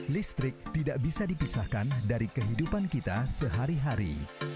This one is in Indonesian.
listrik tidak bisa dipisahkan dari kehidupan kita sehari hari